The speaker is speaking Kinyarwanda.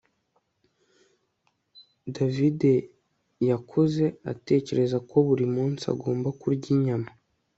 davide yakuze atekereza ko buri munsi agomba kurya inyama